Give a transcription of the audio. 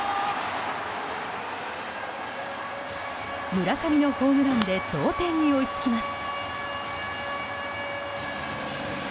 村上のホームランで同点に追いつきます。